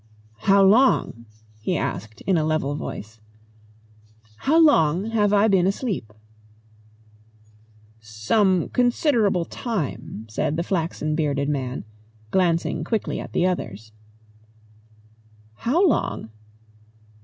"How long?" he asked in a level voice. "How long have I been asleep?" "Some considerable time," said the flaxen bearded man, glancing quickly at the others. "How long?"